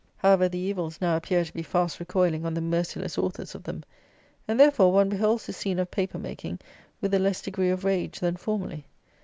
However, the evils now appear to be fast recoiling on the merciless authors of them; and, therefore, one beholds this scene of paper making with a less degree of rage than formerly.